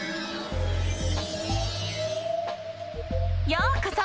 ようこそ！